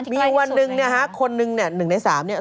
มีวันนึงคนหนึ่งเนี่ย๑ใน๓เลยเนี่ย